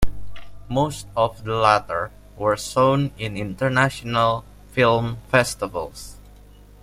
Most of the latter were shown in international film festivals.